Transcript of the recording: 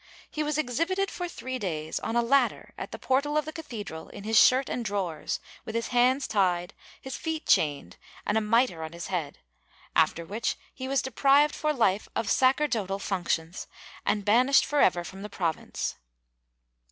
He was exhibited for three days on a ladder at the portal of the cathedral, in his shirt and drawers, with his hands tied, his feet chained and a mitre on his head, after which he was deprived for life of sacerdotal functions and banished forever from the province.